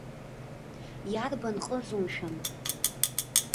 Иарбан ҟызу, мшәан?